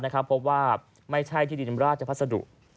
เพราะว่าไม่ใช่ที่ดินราชพัสดุ